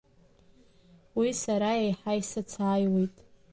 Уи сара еиҳа исыцааиуеит.